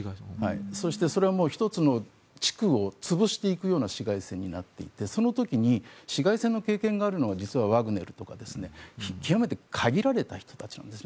そして、それは１つの地区を潰していくような市街戦になっていってその時に市街戦の経験があるのは実はワグネルとか極めて限られた人たちなんです。